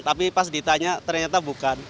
tapi pas ditanya ternyata bukan